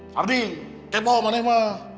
sarding kepo sama nema